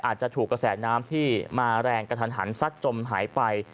อาจจะถูกกระแสน้ำที่มาแรงกระทันหันซัดจมหายไป